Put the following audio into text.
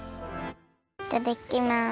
いただきます！